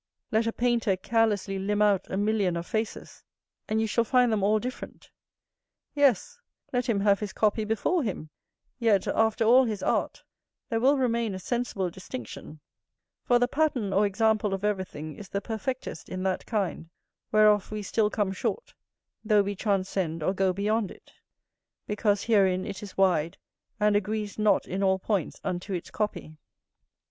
Let a painter carelessly limn out a million of faces, and you shall find them all different; yes, let him have his copy before him, yet, after all his art, there will remain a sensible distinction: for the pattern or example of everything is the perfectest in that kind, whereof we still come short, though we transcend or go beyond it; because herein it is wide, and agrees not in all points unto its copy.